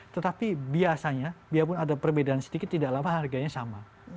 tetapi biasanya biarpun ada perbedaan sedikit tidak lama harganya sama